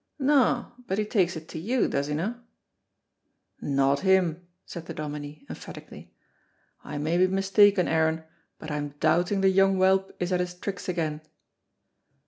"No, but he takes it to you, does he no'?" "Not him," said the Dominie, emphatically. "I may be mistaken, Aaron, but I'm doubting the young whelp is at his tricks again."